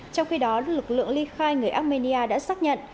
trong khi đó lực lượng ly khai người armenia đã xác nhận